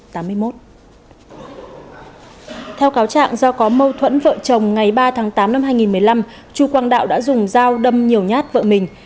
theo cáo trạng do có mâu thuẫn vợ chồng ngày ba tháng tám năm hai nghìn một mươi năm chu quang đạo đã dùng dao đâm nhiều nhát vợ mình